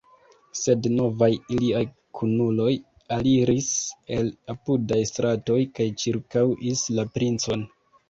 Sed novaj iliaj kunuloj aliris el apudaj stratoj kaj ĉirkaŭis la princon.